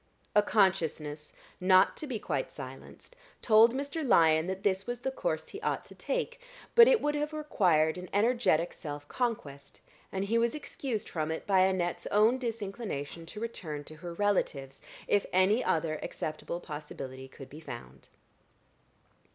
A consciousness, not to be quite silenced, told Mr. Lyon that this was the course he ought to take, but it would have required an energetic self conquest, and he was excused from it by Annette's own disinclination to return to her relatives, if any other acceptable possibility could be found.